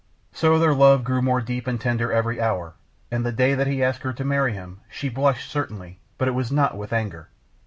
So their love grew more deep and tender every hour, and the day that he asked her to marry him she blushed certainly, but it was not with anger.